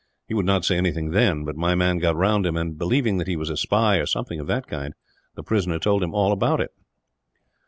He would not say anything then; but my man got round him and, believing that he was a spy, or something of that kind, the prisoner told him all about it."